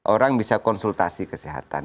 orang bisa konsultasi kesehatan